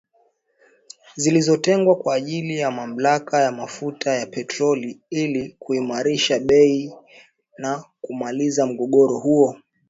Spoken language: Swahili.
zilizotengwa kwa ajili ya mamlaka ya mafuta ya petroli ili kuimarisha bei na kumaliza mgogoro huo